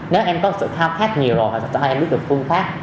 nếu em có sự khao khát nhiều rồi họ sẽ cho em biết được phương pháp